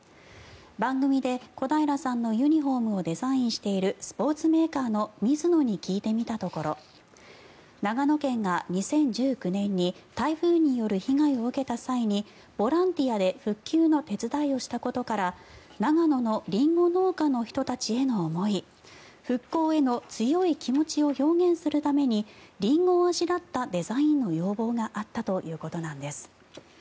番組で小平さんのユニホームをデザインしているスポーツメーカーのミズノに聞いてみたところ長野県が２０１９年に台風による被害を受けた際にボランティアで復旧の手伝いをしたことから長野のリンゴ農家の人たちへの思い復興への強い気持ちを表現するためにリンゴをあしらったデザインの要望があったということです。